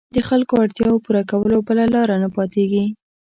د خلکو اړتیاوو پوره کولو بله لاره نه پاتېږي.